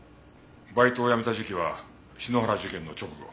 バイトを辞めた時期は篠原事件の直後。